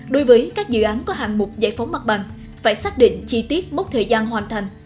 đối với các dự án có hàng mục giải phóng mặt bằng phải xác định chi tiết mốc thời gian hoàn thành